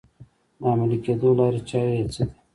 د عملي کېدو لارې چارې یې څه دي؟